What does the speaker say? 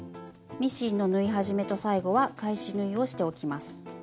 ミシンの縫い始めと最後は返し縫いをしておきます。